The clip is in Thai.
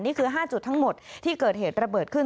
นี่คือ๕จุดทั้งหมดที่เกิดเหตุระเบิดขึ้น